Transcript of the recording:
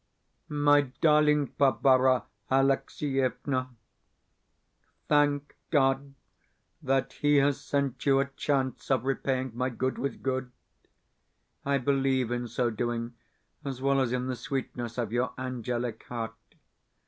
MY DARLING BARBARA ALEXIEVNA, Thank God that He has sent you a chance of repaying my good with good. I believe in so doing, as well as in the sweetness of your angelic heart.